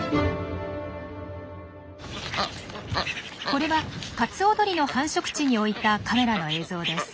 これはカツオドリの繁殖地に置いたカメラの映像です。